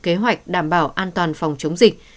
kế hoạch đảm bảo an toàn phòng chống dịch